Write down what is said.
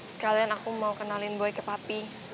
sekalian aku mau kenalin boy ke pak fi